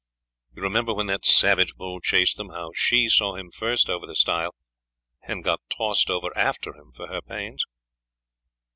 You remember when that savage bull chased them, how she saw him first over the stile and got tossed over after him for her pains?"